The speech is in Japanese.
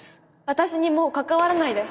私にもう関わらないで！